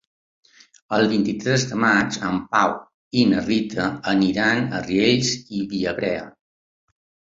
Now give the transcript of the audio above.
El vint-i-tres de maig en Pau i na Rita iran a Riells i Viabrea.